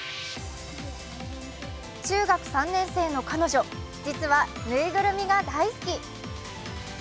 中学３年生の彼女、実はぬいぐるみが大好き。